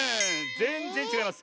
ぜんぜんちがいます。